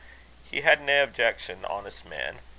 He had nae objections, honest man.